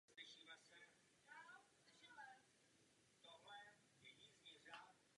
Do třinácti let byl Morris vychováván svou babičkou v Anglii.